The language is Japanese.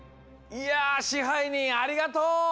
いや支配人ありがとう！